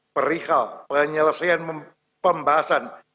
perihal penyelesaian pembahasan